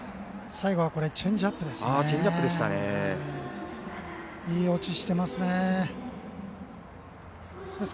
最後はチェンジアップです。